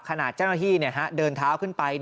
ขณะเจ้าหน้าที่เดินเท้าขึ้นไป